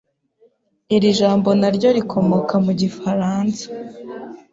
Iri jambo naryo rikomoka mu gifaransa.